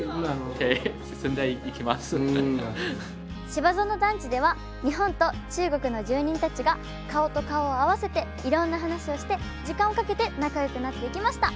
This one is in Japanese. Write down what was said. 芝園団地では日本と中国の住民たちが顔と顔を合わせていろんな話をして時間をかけて仲良くなっていきました。